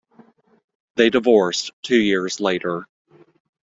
They divorced two years later.